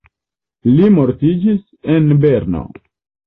Li mortiĝis en Berno.